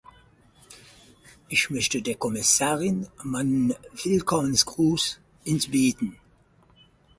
Ich möchte der Kommissarin meinen Willkommensgruß entbieten.